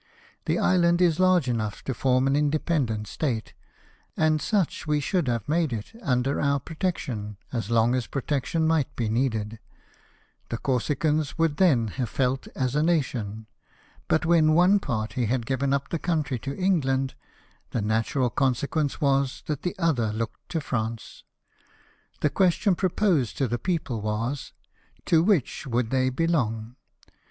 The island is large enough to form an independent State, and such we should have made it, under our protection, as long as pro tection might be needed, the Corsicans would then have felt as a nation ; but when one party had given up the country to England, the natural consequence was that the other looked to France. The question proposed to the people was. To which would they be long